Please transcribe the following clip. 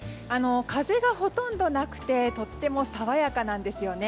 風がほとんどなくてとてもさわやかなんですよね。